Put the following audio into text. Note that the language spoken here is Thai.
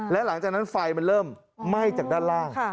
และหลังจากนั้นไฟมันเริ่มไหม้จากด้านล่าง